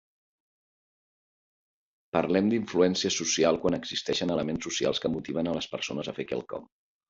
Parlem d'influència social quan existeixen elements socials que motiven a les persones a fer quelcom.